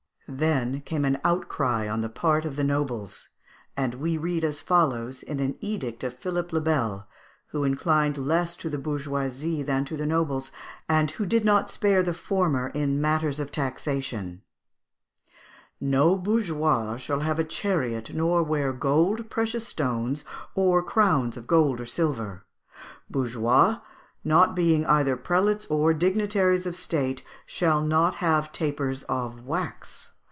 Then came an outcry on the part of the nobles; and we read as follows, in an edict of Philippe le Bel, who inclined less to the bourgeoisie than to the nobles, and who did not spare the former in matters of taxation: "No bourgeois shall have a chariot nor wear gold, precious stones, or crowns of gold or silver. Bourgeois, not being either prelates nor dignitaries of state, shall not have tapers of wax.